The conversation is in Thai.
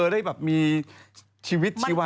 ได้แบบมีชีวิตชีวะ